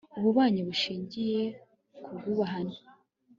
ububanyi bushingiye ku bwubahane